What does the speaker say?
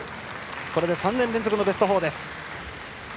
これで３年連続のベスト４です。